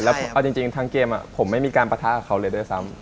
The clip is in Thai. เราจริงทางเกมผมก็ไม่มีการปาท้าเขาเลยด้วยซ้ำ